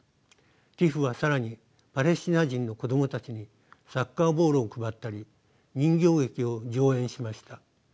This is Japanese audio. ＴＩＰＨは更にパレスチナ人の子供たちにサッカーボールを配ったり人形劇を上演しました。